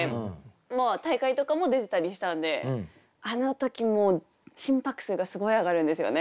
もう大会とかも出てたりしたんであの時もう心拍数がすごい上がるんですよね。